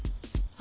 あ。